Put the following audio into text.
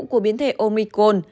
của biến thể omicron